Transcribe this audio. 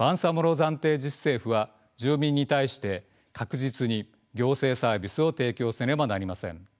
暫定自治政府は住民に対して確実に行政サービスを提供せねばなりません。